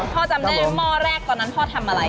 จำได้ไหมหม้อแรกตอนนั้นพ่อทำอะไร